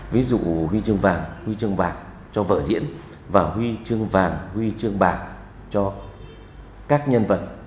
ví dụ huy trương vàng huy trương bạc cho vở diễn và huy trương vàng huy trương bạc cho các nhân vật